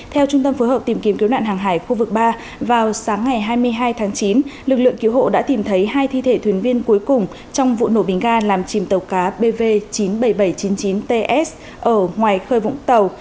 theo trung tâm phối hợp tìm kiếm cứu nạn hàng hải khu vực ba vào sáng ngày hai mươi hai tháng chín lực lượng cứu hộ đã tìm thấy hai thi thể thuyền viên cuối cùng trong vụ nổ bình ga làm chìm tàu cá bv chín mươi bảy nghìn bảy trăm chín mươi chín ts ở ngoài khơi vũng tàu